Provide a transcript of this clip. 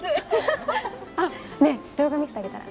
あっねえ動画見せてあげたら？